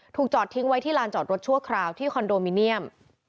จอดทิ้งไว้ที่ลานจอดรถชั่วคราวที่คอนโดมิเนียม